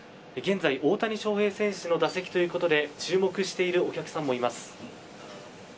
現在、大谷翔平選手の打席ということで注目しているお客さんもいます。